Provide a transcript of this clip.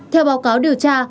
theo báo cáo điều tra